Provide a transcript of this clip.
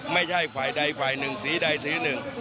ไม่ใช่ฝ่ายใดฝ่ายหนึ่งสีใดสีหนึ่ง